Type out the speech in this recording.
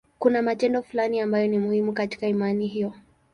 Kuna matendo fulani ambayo ni muhimu katika imani hiyo.